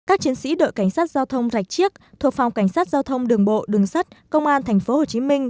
các chiến sĩ đội cảnh sát giao thông rạch chiếc thuộc phòng cảnh sát giao thông đường bộ đường sắt công an tp hcm